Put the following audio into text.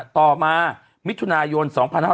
ต่อมามิถุนายน